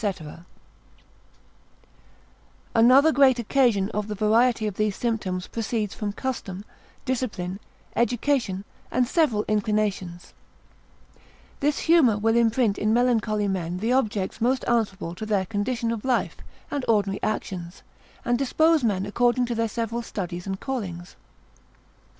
_ Another great occasion of the variety of these symptoms proceeds from custom, discipline, education, and several inclinations, this humour will imprint in melancholy men the objects most answerable to their condition of life, and ordinary actions, and dispose men according to their several studies and callings.